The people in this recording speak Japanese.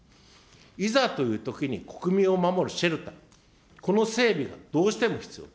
いざというときに国民を守るシェルター、この整備がどうしても必要だ。